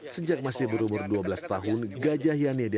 sejak masih berumur dua belas tahun gajah yani dimiliki